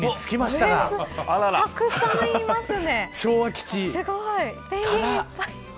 たくさんいますね。